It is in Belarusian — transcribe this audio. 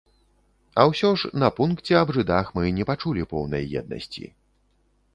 А ўсё ж на пункце аб жыдах мы не пачулі поўнай еднасці.